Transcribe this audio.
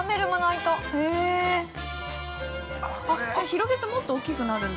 ◆広げて、もっと大きくなるんだ。